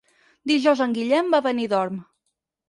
Dijous en Guillem va a Benidorm.